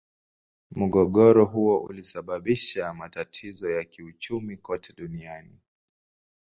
Mgogoro huo ulisababisha matatizo ya kiuchumi kote duniani.